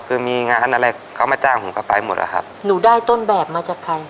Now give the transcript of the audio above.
คือมีงานอะไรเขามาจ้างผมก็ไปหมดอะครับหนูได้ต้นแบบมาจากใคร